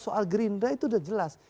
soal gerindra itu sudah jelas